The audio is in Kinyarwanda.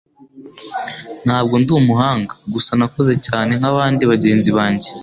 Ntabwo ndi umuhanga; Gusa nakoze cyane nk'abandi bagenzi banjye,